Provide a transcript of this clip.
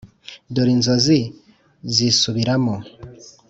dore inzozi zisubiramo